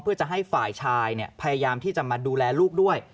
เพื่อจะให้ฝ่ายชายพยายามที่จะมาดูแลลูกด้วย